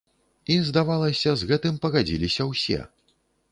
І, здавалася, з гэтым пагадзіліся ўсе.